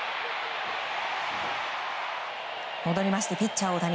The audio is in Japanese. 戻りましてピッチャー大谷。